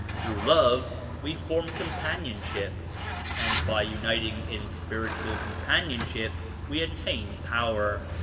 Through love we form compan ionship, and by uniting in spiritual companion ship we attain power.